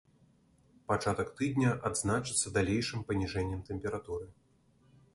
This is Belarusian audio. Пачатак тыдня адзначыцца далейшым паніжэннем тэмпературы.